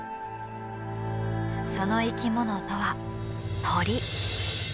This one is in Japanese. その生き物とは鳥。